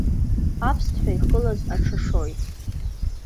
Аԥсҭҳәа ихылаз аҽашоит…